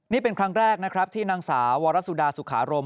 นี่เป็นครั้งแรกนะครับที่นางสาววรสุดาสุขารม